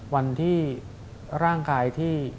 วันที่ร่างกายที่